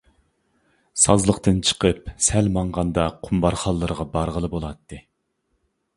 سازلىقتىن چىقىپ سەل ماڭغاندا قۇم بارخانلىرىغا بارغىلى بولاتتى.